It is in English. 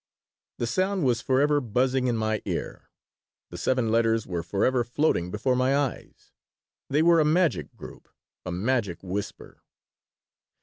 The sound was forever buzzing in my ear. The seven letters were forever floating before my eyes. They were a magic group, a magic whisper.